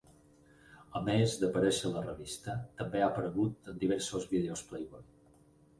A més d'aparèixer a la revista, també ha aparegut en diversos vídeos "Playboy".